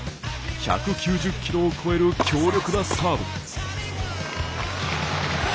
１９０キロを超える強力なサーブ。